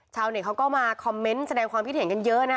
เน็ตเขาก็มาคอมเมนต์แสดงความคิดเห็นกันเยอะนะ